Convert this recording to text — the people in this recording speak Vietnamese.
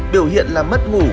biểu hiện là mất ngủ